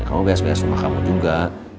kamu beres beres rumah kamu juga